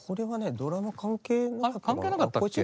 ドラマ関係なかったかな。